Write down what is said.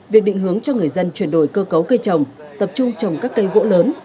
việc định hướng cho người dân chuyển đổi cơ cấu cây trồng tập trung trồng các cây gỗ lớn